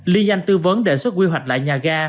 liên danh tư vấn đề xuất quy hoạch lại nhà ga